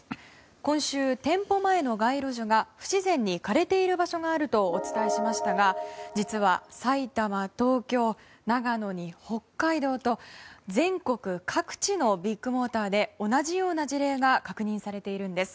今週、店舗前の街路樹が不自然に枯れている場所があるとお伝えしましたが実は埼玉、東京、長野に北海道と全国各地のビッグモーターで同じような事例が確認されているんです。